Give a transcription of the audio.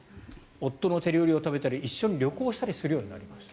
夫の手料理を食べたり一緒に旅行したりするようになりました。